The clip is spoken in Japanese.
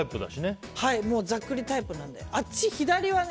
ざっくりタイプだしね。